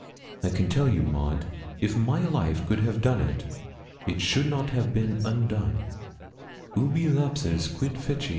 'I can tell you, Maud; if my life could have done it, it should not have been undone ubi lapsus, quid feci.